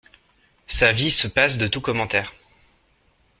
Sa vie se passe de tout commentaire.